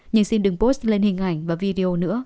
nhìn xin đừng post lên hình ảnh và video nữa